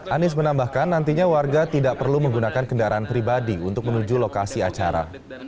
anies menambahkan nantinya warga tidak perlu menggunakan kendaraan pribadi untuk menuju lokasi acara